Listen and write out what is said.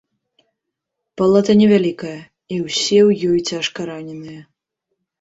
Палата невялікая, і ўсе ў ёй цяжкараненыя.